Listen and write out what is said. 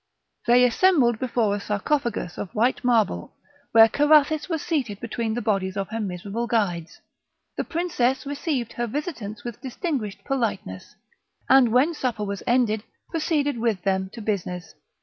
They assembled before a sarcophagus of white marble, where Carathis was seated between the bodies of her miserable guides; the princess received her visitants with distinguished politeness, and, when supper was ended, proceeded with them to business.